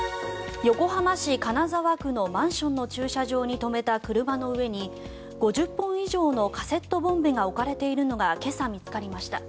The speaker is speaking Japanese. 横浜市金沢区のマンションの駐車場に止めた車の上に５０本以上のカセットボンベが置かれているのが今朝、見つかりました。